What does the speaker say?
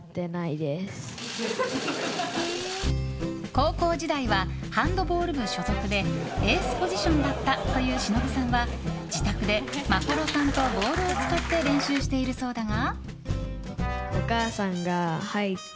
高校時代はハンドボール部所属でエースポジションだったというしのぶさんは自宅で眞秀さんとボールを使って練習しているそうだが。